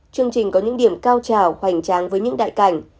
chương trình có những điểm cao trào hoành tráng với những đại cảnh